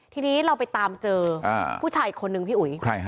ทีนี้เราไปตามเจอผู้ชายต่ออีกครับพี่อุ๊ย